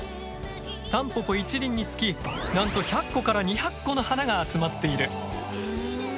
タンポポ１輪につきなんと１００個から２００個の花が集まっている。